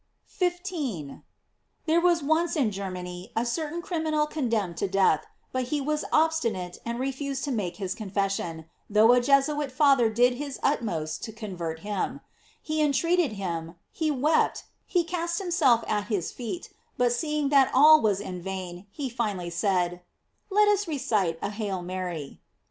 * 15. — There was once in Germany a certain criminal condemned to death; but he was ob» stinate and refused to make his confession, though a Jesuit father did his utmost to con vert him. He entreated him, he wept, he cast bimself at his feet; but seeing that all was hi * Bovio esempio di. S. 3, Verg. to. 3, Es. 9. GLORIES OF MARY. 691 vain, he finally said: "Let us recite a 'Hail Mary.'